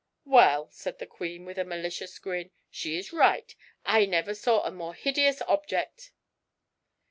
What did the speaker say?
"Well," said the queen, with a malicious grin, "she is right. I never saw a more hideous object."